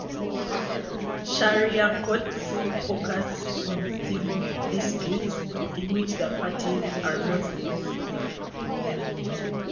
Sharia courts focus on civil disputes in which the parties are Muslims.